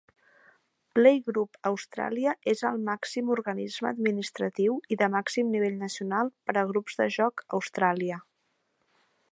Playgroup Australia és el màxim organisme administratiu i de màxim nivell nacional per a grups de joc a Austràlia.